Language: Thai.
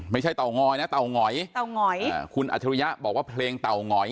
ไม่ใช่เต่างอยนะเต่างอยเต่างอยคุณอาชุยะบอกว่าเพลงเต่างอย